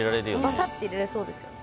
バサって入れられそうですよね